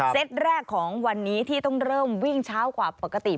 เต็ตแรกของวันนี้ที่ต้องเริ่มวิ่งเช้ากว่าปกติ